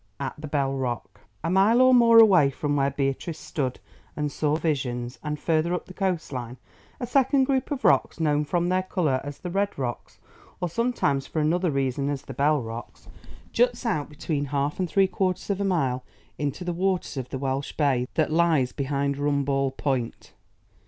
AT THE BELL ROCK A mile or more away from where Beatrice stood and saw visions, and further up the coast line, a second group of rocks, known from their colour as the Red Rocks, or sometimes, for another reason, as the Bell Rocks, juts out between half and three quarters of a mile into the waters of the Welsh Bay that lies behind Rumball Point.